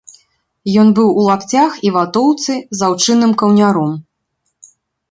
Ён быў у лапцях і ватоўцы з аўчынным каўняром.